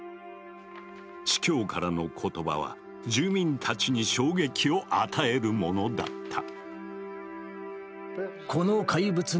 司教からの言葉は住民たちに衝撃を与えるものだった。